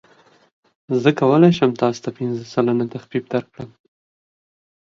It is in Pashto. زه کولی شم تاسو ته پنځه سلنه تخفیف درکړم.